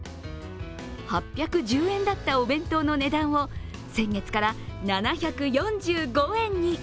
８１０円だったお弁当の値段を先月から７４５円に。